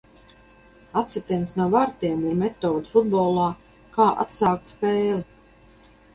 Atsitiens no vārtiem ir metode futbolā, kā atsākt spēli.